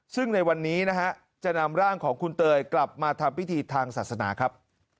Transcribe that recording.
ซึ่งในวันนี้นะฮะจะนำร่างของคุณเตยกลับมาทำพิธีทางศาสนาครับ